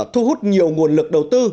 thu hút nhiều nguồn lực đầu tư